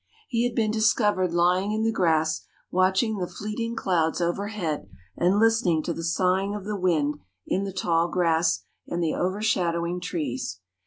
He had been discovered lying in the grass watching the fleeting clouds overhead and listening to the sighing of the wind in the tall grass and the overshadowing trees.